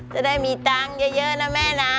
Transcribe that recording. จะได้มีตังค์เยอะนะแม่นะ